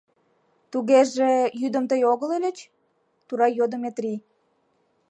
— Тугеже, йӱдым тый огыл ыльыч? — тура йодо Метрий.